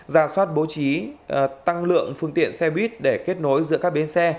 ra soát bố trí tăng lượng phương tiện xe buýt để kết nối giữa các bến xe